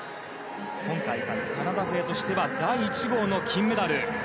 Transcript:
今大会、カナダ勢としては第１号の金メダル。